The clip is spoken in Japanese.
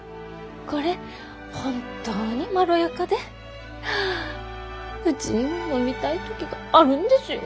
これ本当にまろやかでうちにも飲みたい時があるんですよ。